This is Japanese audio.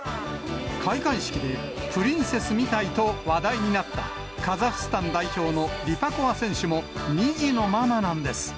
開会式で、プリンセスみたいと話題になった、カザフスタン代表のリパコワ選手も２児のママなんです。